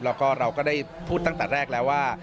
แล้วก็เราก็ได้พูดตั้งแต่แรกแล้วว่า